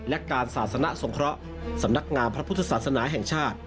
และการศาสนสงเคราะห์สำนักงามพระพุทธศาสนาแห่งชาติ